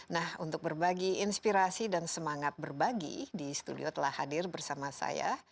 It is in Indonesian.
nah untuk berbagi inspirasi dan semangat berbagi di studio telah hadir bersama saya